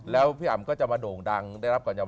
แล้วพี่อำก็จะมาโด่งดังได้รับก่อนยอม